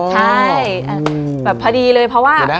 ใช่แบบพอดีเลยเพราะว่า